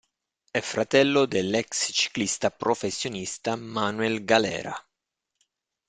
È fratello dell'ex ciclista professionista Manuel Galera.